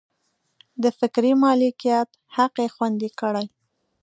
د فکري مالکیت حق یې خوندي کړي.